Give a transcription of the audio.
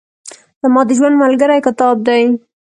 زما د ژوند ملګری کتاب دئ.